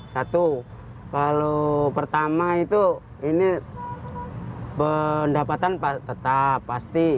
satu kalau pertama itu ini pendapatan tetap pasti